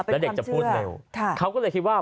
แล้วเด็กจะพูดเร็วเขาก็เลยคิดว่า